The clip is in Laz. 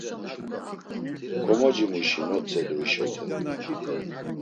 Komocimuşi notzedu hişote.